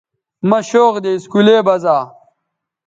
مہ شوق دے اسکولے بزا